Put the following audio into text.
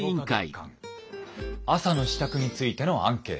月間朝の支度についてのアンケート」。